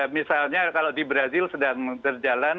misalnya kalau di brazil sedang berjalan